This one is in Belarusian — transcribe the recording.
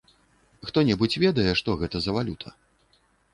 Хто-небудзь ведае, што гэта за валюта?